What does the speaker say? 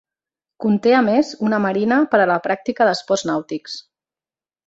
Conté, a més, una marina per a la pràctica d'esports nàutics.